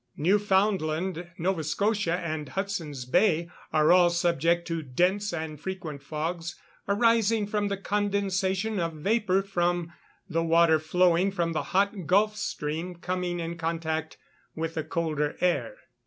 Newfoundland, Nova Scotia, and Hudson's Bay, are all subject to dense and frequent fogs arising from the condensation of vapour from the water flowing from the hot Gulf stream, coming in contact with the colder air.